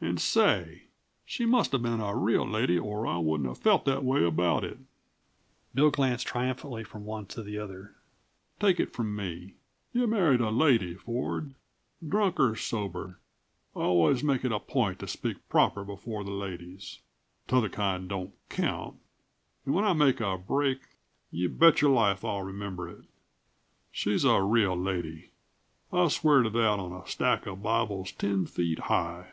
And say! She musta been a real lady or I wouldn't uh felt that way about it!" Bill glanced triumphantly from one to the other. "Take it from me, you married a lady, Ford. Drunk or sober, I always make it a point to speak proper before the ladies t'other kind don't count and when I make a break, you betcher life I remember it. She's a real lady I'd swear to that on a stack uh bibles ten feet high!"